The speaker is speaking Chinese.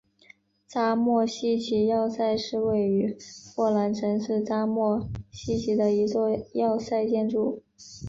扎莫希奇要塞是位于波兰城市扎莫希奇的一座要塞建筑。